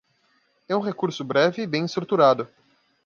É um recurso breve e bem estruturado.